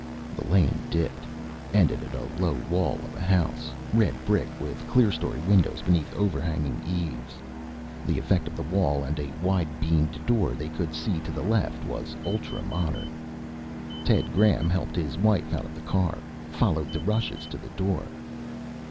The lane dipped, ended at a low wall of a house red brick with clerestory windows beneath overhanging eaves. The effect of the wall and a wide beamed door they could see to the left was ultramodern. Ted Graham helped his wife out of the car, followed the Rushes to the door.